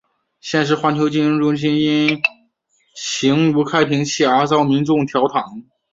现时环球金融中心也因形如开瓶器而遭到民众调侃。